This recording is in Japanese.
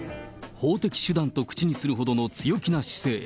法的手段と口にするほどの強気な姿勢。